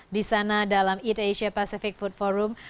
di sana dalam eat asia pacific food forum